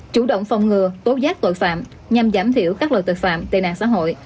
chủ động phòng ngừa tố giác tội phạm nhằm giảm thiểu các loại tội phạm tệ nạn xã hội